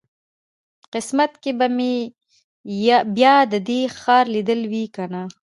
قسمت کې به مې بیا د دې ښار لیدل وي کنه.